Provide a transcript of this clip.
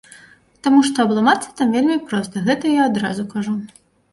Таму што абламацца там вельмі проста, гэта я адразу кажу.